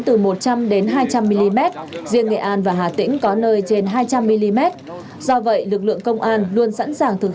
từ một trăm linh đến hai trăm linh mm riêng nghệ an và hà tĩnh có nơi trên hai trăm linh mm do vậy lực lượng công an luôn sẵn sàng thực